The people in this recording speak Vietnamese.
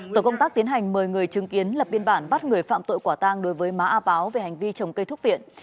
tổ công tác tiến hành mời người chứng kiến lập biên bản bắt người phạm tội quả tang đối với má a páo về hành vi trồng cây thúc viện